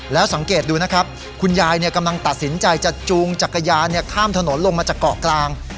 แล้วสังเกตดูนะครับคุณยายกำลังตัดสินใจจะจูงจักรยานข้ามถนนลงมาจากเกาะกลาง